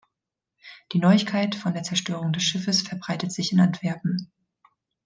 Die Neuigkeit von der Zerstörung des Schiffes verbreitet sich in Antwerpen.